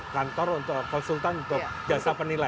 kantor untuk konsultan untuk jasa penilaian